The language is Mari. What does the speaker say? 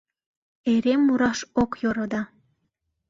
Эре мураш ок йӧрӧ да